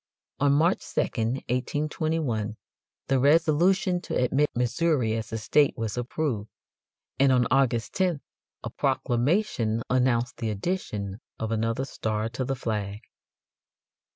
On March 2, 1821, the resolution to admit Missouri as a state was approved, and on August 10th a proclamation announced the addition of another star to the flag.